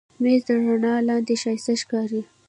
مېز د رڼا لاندې ښایسته ښکاري.